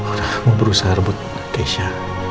orangnya berusaha rebut keisha